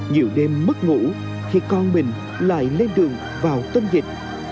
nhiều đêm mất ngủ khi con mình lại lên đường vào tâm dịch